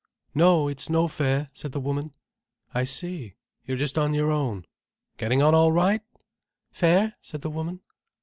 "No, it's no fair," said the woman. "I see. You're just on your own. Getting on all right?" "Fair," said the woman.